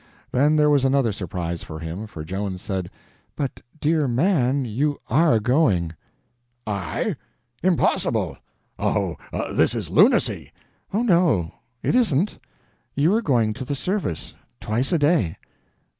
Then there was another surprise for him, for Joan said: "But, dear man, you are going!" "I? Impossible! Oh, this is lunacy!" "Oh, no, it isn't. You are going to the service—twice a day."